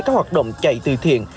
các hoạt động chạy từ thiện